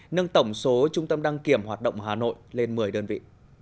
nâng tổng số trung tâm đăng kiểm hoạt động hà nội lên một mươi đơn vị